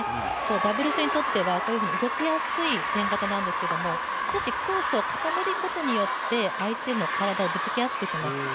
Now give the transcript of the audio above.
ダブルスにとっては、動きやすい戦型なんですけども少しコースをかたまりごとによって、相手の体にぶつけやすくします。